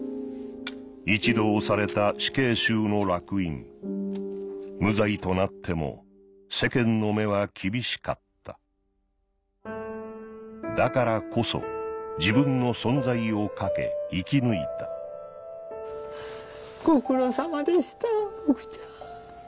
一度押された死刑囚の烙印無罪となっても世間の目は厳しかっただからこそ自分の存在をかけ生き抜いたご苦労さまでした僕ちゃん。